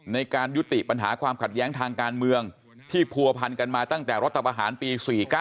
ในการยุติปัญหาความขัดแย้งทางการเมืองที่ผัวพันกันมาตั้งแต่รัฐประหารปี๔๙